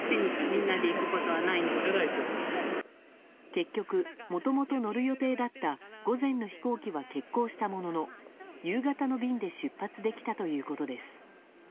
結局、もともと乗る予定だった午前の飛行機は欠航したものの夕方の便で出発できたということです。